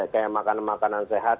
kayak makanan makanan sehat